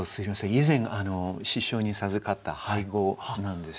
以前師匠に授かった俳号なんですね。